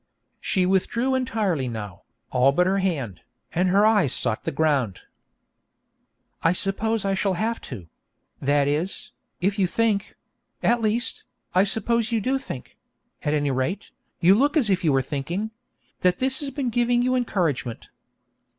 She withdrew entirely now, all but her hand, and her eyes sought the ground. 'I suppose I shall have to that is, if you think at least, I suppose you do think at any rate, you look as if you were thinking that this has been giving you encouragement.'